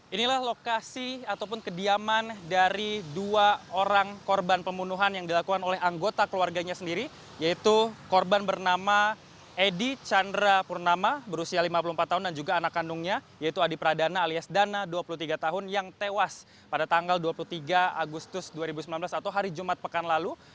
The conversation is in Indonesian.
inilah lokasi ataupun kediaman dari dua orang korban pembunuhan yang dilakukan oleh anggota keluarganya sendiri yaitu korban bernama edy chandra purnama berusia lima puluh empat tahun dan juga anak kandungnya yaitu adi pradana alias dana dua puluh tiga tahun yang tewas pada tanggal dua puluh tiga agustus dua ribu sembilan belas atau hari jumat pekan lalu